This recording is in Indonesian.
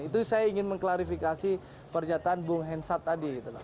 itu saya ingin mengklarifikasi pernyataan bung hensat tadi